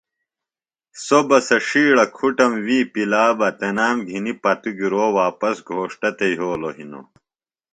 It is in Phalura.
سوۡ بہ سےۡ ݜیڑہ کُھٹم وِی پلا بہ تنام گھنیۡ پتوۡگِرا واپس گھوݜٹہ تھےۡ یھولوۡ ہِنوۡ